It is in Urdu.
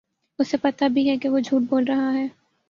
اُسے پتہ بھی ہے کہ وہ جھوٹ بول رہا ہے